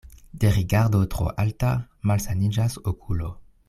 De rigardo tro alta malsaniĝas okulo.